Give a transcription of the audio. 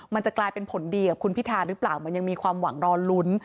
มันจะกลายเป็นผลดีกับคุณพิธาหรือเปล่ามันยังมีความหวังรอลุ้น